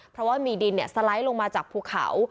เพราะว่ามีดินสไลด์ลงมาจากภูเขา